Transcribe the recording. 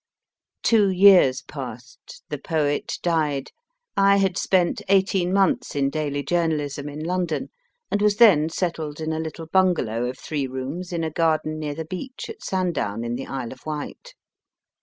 Two years passed, the poet died, I had spent eighteen months in daily journalism in London, and was then settled in a little bungalow of three rooms in a garden near the beach at Sandown in the Isle of Wight.